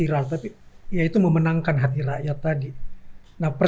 nah persoalannya kalau kita ingin kita harus memiliki kepentingan kepentingan publik